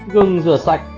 gừng rửa sạch